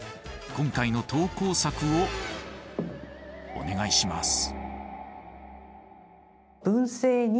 今回の投稿作をお願いします。